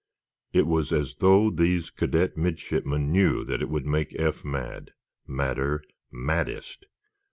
It was as though these cadet midshipmen knew that it would make Eph mad, madder, maddest!